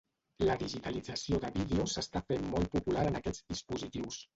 La digitalització de vídeos s'està fent molt popular en aquests dispositius.